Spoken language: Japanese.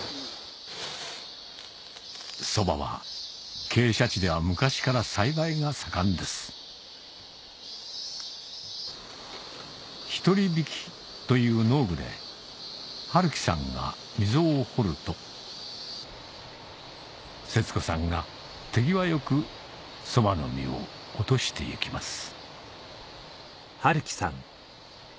ソバは傾斜地では昔から栽培が盛んですヒトリビキという農具で治豈さんが溝を掘ると節子さんが手際よくソバの実を落として行きます